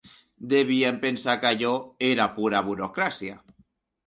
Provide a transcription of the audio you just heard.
Devien pensar que allò era pura burocràcia.